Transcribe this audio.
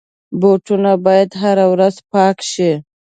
بوټونه باید هره ورځ پاک شي.